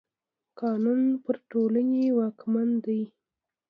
قانون پر ټولني واکمن دی.